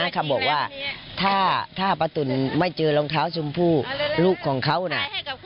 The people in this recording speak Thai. เขาบอกว่าถ้าป้าตุ๋นไม่เจอรองเท้าชมพู่ลูกของเขานะ